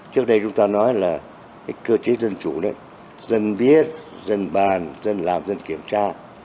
trước đây chúng ta nói là cái cơ chế dân chủ đấy dân biết dân bàn dân làm dân kiểm tra